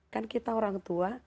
kan kita orang tua